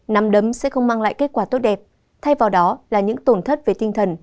nắm đấm sẽ không mang lại kết quả tốt đẹp thay vào đó là những tổn thất về tinh thần